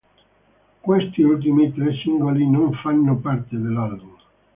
Questi ultimi tre singoli non fanno parte dell'album.